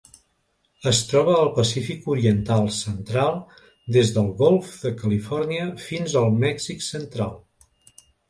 Es troba al Pacífic oriental central: des del Golf de Califòrnia fins al Mèxic central.